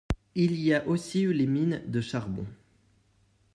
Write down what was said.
Il y a aussi eu les mines de charbon.